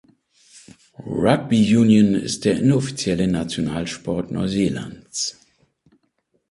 Rugby Union ist der inoffizielle Nationalsport Neuseelands.